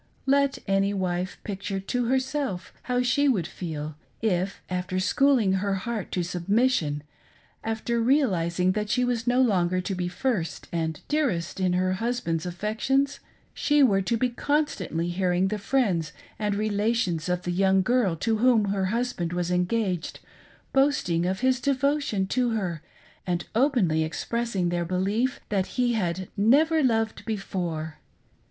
Let any wife picture to herself how she would feel, if after schooling her heart to submission, after realising that she was no longer to be first and dearest in her husband's affections, she were to be constantly hearing the friends and relations of the young girl to whom her husband was engaged boasting of his devotion to her and openly expressing their belief that he had never loved before